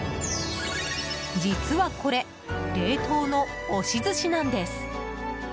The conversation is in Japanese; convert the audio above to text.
実はこれ冷凍の押し寿司なんです。